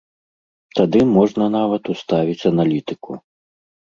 Тады можна нават уставіць аналітыку.